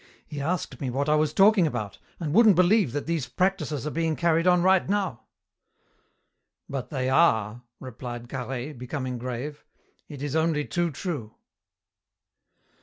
He asked me what I was talking about, and wouldn't believe that these practices are being carried on right now." "But they are," replied Carhaix, becoming grave. "It is only too true."